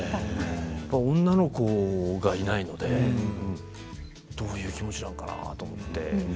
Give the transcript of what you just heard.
やっぱり女の子がいないのでどういう気持ちなのかなと思って。